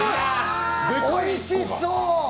おいしそう！